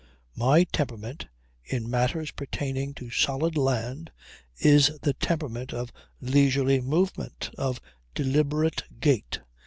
My temperament, in matters pertaining to solid land, is the temperament of leisurely movement, of deliberate gait.